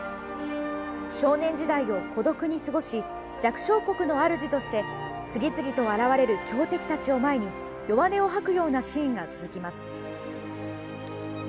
少年時代を孤独に過ごし弱小国のあるじとして次々と現れる強敵たちを前に弱音を吐くようなシーンが続きます。